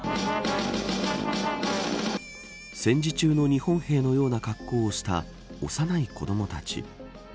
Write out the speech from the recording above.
戦時中の日本兵のような格好をした幼い子どもたち。